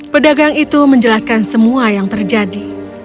pedagang itu menjelaskan semua yang terjadi